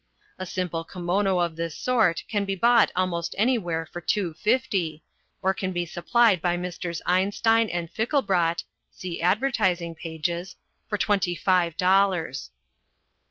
A simple kimono of this sort can be bought almost anywhere for $2.50, or can be supplied by Messrs. Einstein & Fickelbrot (see advertising pages) for twenty five dollars.